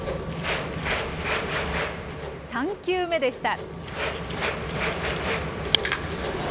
３球目でした。